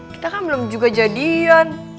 kita kan belum juga jadian